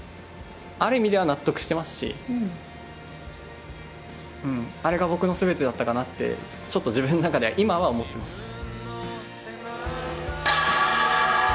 ある意味では納得してますし、あれが僕のすべてだったかなって、ちょっと自分の中で、今は思ってます。